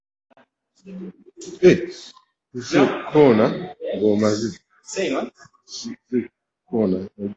Leero nkugambye nga by'alowooza biringa nkaaga.